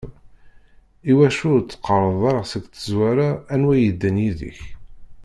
Iwacu ur d-teqqareḍ ara deg tazwara anwa yeddan yid-k?